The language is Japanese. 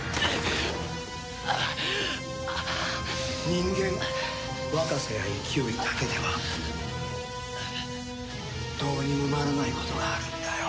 人間若さや勢いだけではどうにもならないことがあるんだよ。